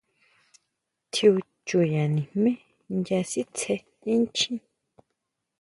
Tjiún chuyá nijmé nya sitsé inchjín.